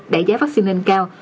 đảy giá vaccine lên cao